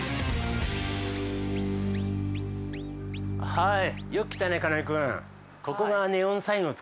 はい！